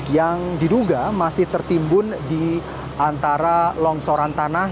yang diduga masih tertimbun di antara longsoran tanah